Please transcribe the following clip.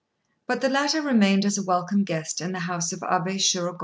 But the latter remained as a welcome guest in the house of Abé Shirogorô.